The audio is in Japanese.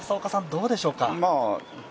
どうでしょうか？